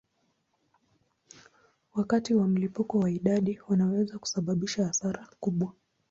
Wakati wa mlipuko wa idadi wanaweza kusababisha hasara kubwa.